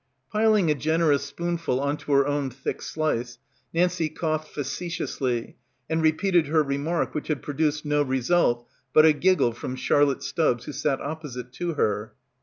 Piling a generous spoonful on to her own thick slice, Nancie coughed facetiously and repeated her remark which had produced no result but a giggle from Charlotte Stubbs who sat opposite to her.